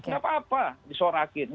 gak apa apa disorakin